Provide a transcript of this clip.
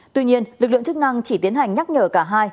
tuy nhiên lực lượng chức năng chỉ tiến hành nhắc nhở cả hai